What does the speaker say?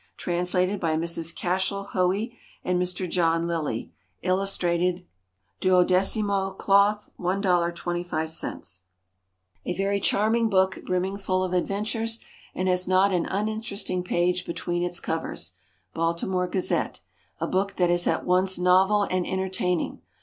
TRANSLATED BY Mrs. CASHEL HOEY and Mr. JOHN LILLIE. ILLUSTRATED. 12mo, Cloth, $1.25. A very charming book, brimming full of adventures, and has not an uninteresting page between its covers. Baltimore Gazette. A book that is at once novel and entertaining.